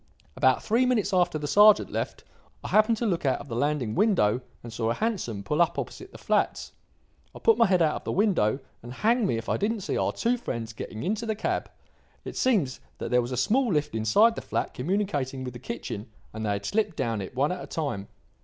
"About three minutes after the sergeant left, I happened to look out of the landing window and saw a hansom pull up opposite the flats. I put my head out of the window, and, hang me if I didn't see our two friends getting into the cab. It seems that there was a small lift inside the flat communicating with the kitchen, and they had slipped down it one at a time.